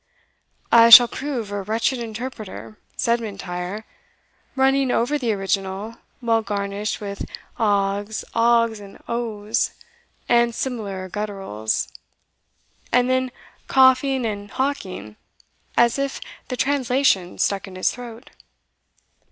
"I shall prove a wretched interpreter," said M'Intyre, running over the original, well garnished with aghes, aughs, and oughs, and similar gutterals, and then coughing and hawking as if the translation stuck in his throat.